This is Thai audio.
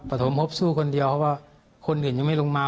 สมพบสู้คนเดียวเพราะว่าคนอื่นยังไม่ลงมา